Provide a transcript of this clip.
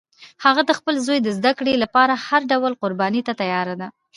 هغه د خپل زوی د زده کړې لپاره هر ډول قربانی ته تیار ده